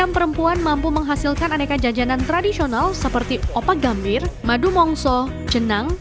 enam perempuan mampu menghasilkan aneka jajanan tradisional seperti opak gambir madu mongso jenang